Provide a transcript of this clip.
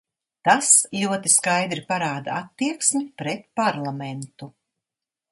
Tas ļoti skaidri parāda attieksmi pret parlamentu.